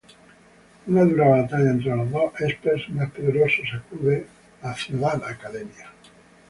Una dura batalla entre los dos espers más poderosos sacude a Ciudad Academia.